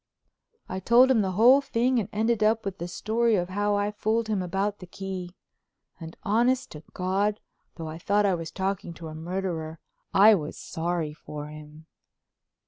I told him the whole thing and ended up with the story of how I fooled him about the key. And, honest to God, though I thought I was talking to a murderer, I was sorry for him.